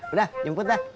udah jemput dah